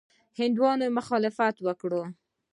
هندیانو مخالفت وکړ.